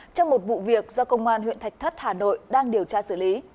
trong một vụ việc do công an huyện thạch thất hà nội đang điều tra xử lý